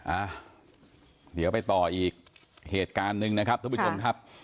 อ่ะเดี๋ยวไปต่ออีกเหตุการณ์หนึ่งนะครับท่านผู้ชมครับ